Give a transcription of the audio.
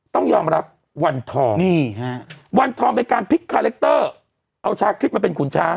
ต้องยอมรับวันทองนี่ฮะวันทองเป็นการเอาชาติคลิปมาเป็นขุนช้าง